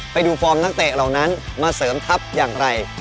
ฟอร์มนักเตะเหล่านั้นมาเสริมทัพอย่างไร